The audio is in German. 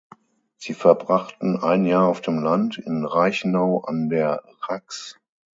Sie verbrachten ein Jahr auf dem Land in Reichenau an der Rax.